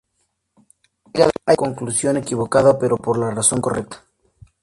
Ha llegado a la conclusión equivocada pero por la razón correcta".